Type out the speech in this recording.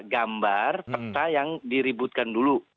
gambar peta yang diributkan dulu